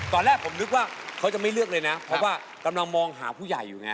ตอนแรกผมนึกว่าเขาจะไม่เลือกเลยนะเพราะว่ากำลังมองหาผู้ใหญ่อยู่ไง